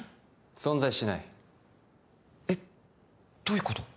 存在しないえっどういうこと？